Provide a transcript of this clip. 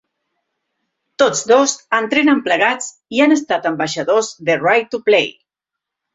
Tots dos entrenen plegats i han estat ambaixadors de Right To Play.